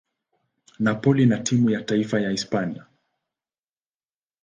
Napoli na timu ya taifa ya Hispania.